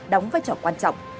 đóng vai trò quan trọng